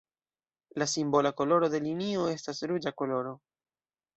La simbola koloro de linio estas ruĝa koloro.